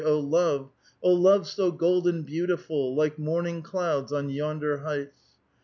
oh, love ! oh, love so golden beautiful, like morning clouds on yonder heights